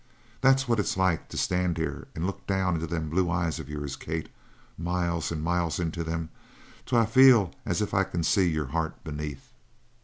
That's what it's like to stand here and look down into them blue eyes of yours, Kate miles and miles into 'em, till I feel as if I seen your heart beneath.